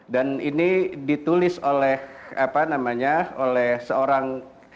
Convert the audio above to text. dan ini ditulis oleh seorang